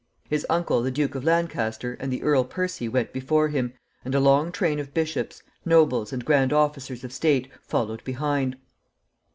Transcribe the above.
His uncle the Duke of Lancaster and the Earl Percy went before him, and a long train of bishops, nobles, and grand officers of state followed behind.